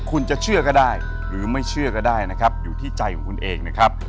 คุณจะเชื่อก็ได้หรือไม่เชื่อก็ได้นะครับอยู่ที่ใจของคุณเองนะครับ